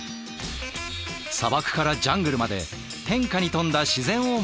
砂漠からジャングルまで変化に富んだ自然を持つ国。